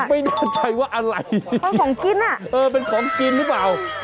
ไม่แน่ใจว่าอะไรเออของกินอ่ะเออเป็นของกินหรือเปล่า